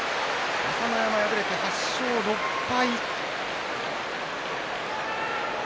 朝乃山、敗れて８勝６敗。